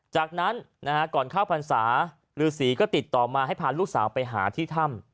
จากนั้นก่อนเข้าพรรษาฤษีก็ติดต่อมาให้พาลูกสาวไปหาที่ถ้ำ